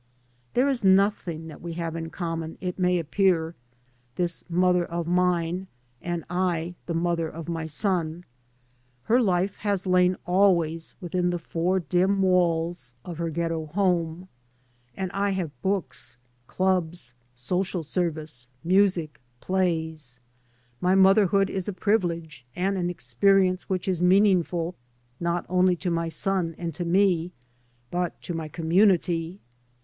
{There is nothing that we have in common, it may appear, this mother of mine, and I, the mother of my son. Her life has Iain always within the four dim walls of her 3 by Google M T MOTHER AND I ghetto home. And I have books, clubs, so cial service, music, plays. My motherhood is a privilege and an experience which is meaningful not only to my son and to me, but to my community.